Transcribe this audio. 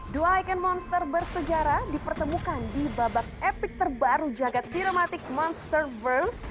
dua ikon monster bersejarah dipertemukan di babak epik terbaru jagad sirematik monsterverse